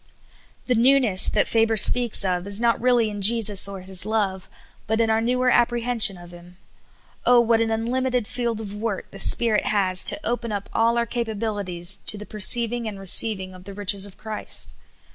'' The newness that Faber speaks of is not really in Jesus or His love, but in our newer apprehension of Him. Oh, what an unlimited field of work the Spirit has to open up all our capabilities to the perceiving and receiving of the riches of Christ